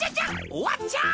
おわっちゃ！